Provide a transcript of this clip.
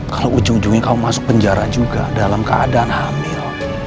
kalau ujung ujungnya kamu masuk penjara juga dalam keadaan hamil